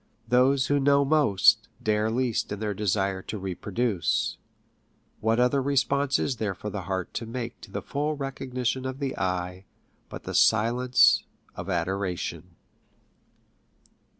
Those who know most dare least in their desire to reproduce. "What other response is there for the heart to make to the full recognition of the eye, but the silence of adoration